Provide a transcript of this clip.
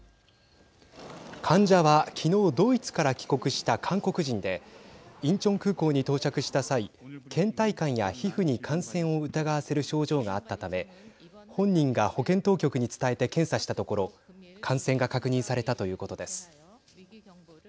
患者は、きのうドイツから帰国した韓国人でインチョン空港に到着した際けん怠感や皮膚に感染を疑わせる症状があったため本人が保健当局に伝えて検査したところ感染が確認されたということです。